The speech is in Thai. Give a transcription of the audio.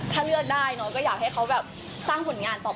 ถ้าเลือกได้เนอะก็อยากให้เขาแบบสร้างผลงานต่อไป